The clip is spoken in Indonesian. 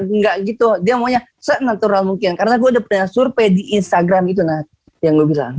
engga gitu dia maunya se natural mungkin karena gua udah pernah survey di instagram itu nanti yang gua bilang